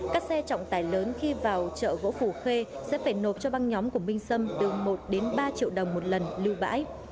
các xe trọng tài lớn khi vào chợ gỗ phù khê sẽ phải nộp cho băng nhóm của minh sâm được một ba triệu đồng một lần lưu bãi